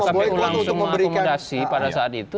kpu langsung mengakomodasi pada saat itu